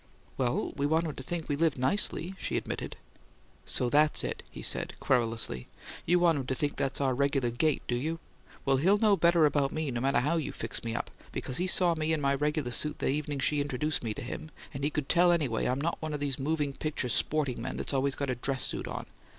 "Well, we want him to think we live nicely," she admitted. "So that's it!" he said, querulously. "You want him to think that's our regular gait, do you? Well, he'll know better about me, no matter how you fix me up, because he saw me in my regular suit the evening she introduced me to him, and he could tell anyway I'm not one of these moving picture sporting men that's always got a dress suit on.